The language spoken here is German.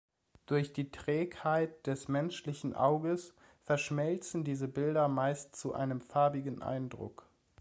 Durch die Trägheit des menschlichen Auges verschmelzen diese Bilder meist zu einem farbigen Eindruck.